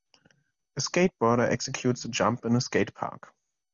A skateboarder executes a jump in a skate park.